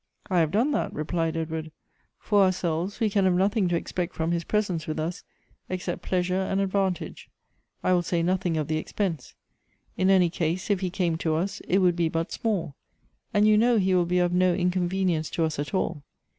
" I have done that," replied Edward. " For ourselves, we can have nothing to expect from his presence with us, Elective Affinities. 5 except pleasure and advantage. I ■will say nothing of tlie expense. In any case, if he came to us, it would be but small ; and you know he will be of no inconvenience to us at all.